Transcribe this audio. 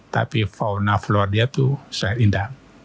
tapi fauna flower dia itu sangat indah